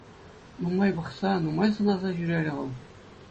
Нумай пӑхса, нумай сӑнаса ҫӳрерӗ вӑл.